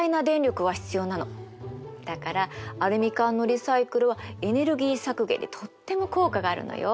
だからアルミ缶のリサイクルはエネルギー削減にとっても効果があるのよ。